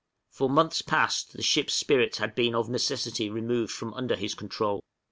For months past the ship's spirits had been of necessity removed from under his control.